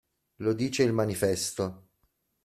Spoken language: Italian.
Lo dice il manifesto.